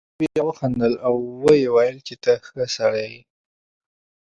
هغه بیا وخندل او ویې ویل چې ته ښه سړی یې.